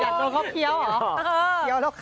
อยากเยาะเคี้ยวหรอ